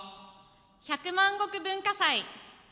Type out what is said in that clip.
百万石文化祭。